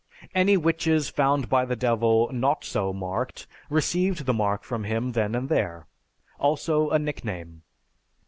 Any witches found by the Devil not so marked received the mark from him then and there, also a nickname.